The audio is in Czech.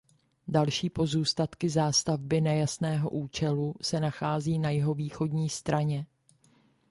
Další pozůstatky zástavby nejasného účelu se nachází na jihovýchodní straně.